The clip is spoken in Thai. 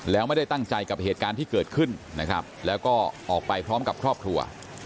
แล้วไม่ได้ตั้งใจกับเหตุการณ์ที่เกิดขึ้นนะครับแล้วก็ออกไปพร้อมกับครอบครัว